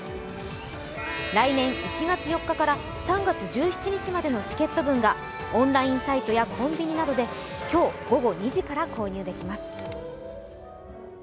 来年１月４日から３月１７日までのチケット分がオンラインサイトやコンビニなどで今日午後２時から購入できます。